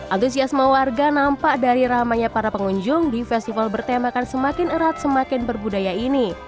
antusiasme warga nampak dari ramainya para pengunjung di festival bertemakan semakin erat semakin berbudaya ini